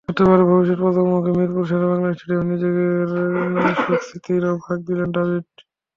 হতে পারে ভবিষ্যৎ প্রজন্মকে মিরপুর শেরেবাংলা স্টেডিয়ামে নিজের সুখস্মৃতিরও ভাগ দিলেন দ্রাবিড়।